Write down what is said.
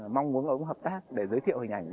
mong muốn ông hợp tác để giới thiệu hình ảnh